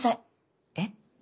えっ？